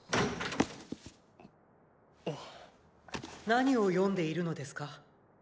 何を読んでいるのですか？